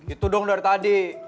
itu dong dari tadi